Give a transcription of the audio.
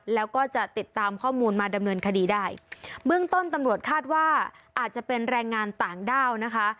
แล้วก็จะติดตามข้อมูลมาดำเนินคดีได้เบื้องต้นตำรวจคาดว่าอาจจะเป็นแรงงานต่างด้าวนะคะ